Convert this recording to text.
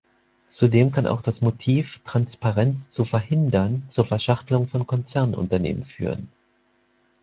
Zudem kann auch das Motiv, Transparenz zu verhindern, zur Verschachtelung von Konzernunternehmen führen.